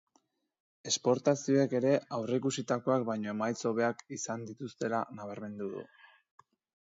Esportazioek ere aurreikusitakoak baino emaitz hobeak izan dituztela nabarmendu du.